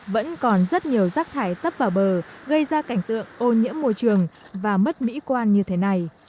vẫn còn rất nhiều rác thải tấp vào bờ gây ra cảnh tượng ô nhiễm môi trường và mất mỹ quan như thế này